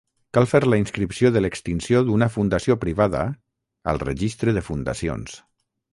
Cal fer la inscripció de l'extinció d'una fundació privada al Registre de fundacions.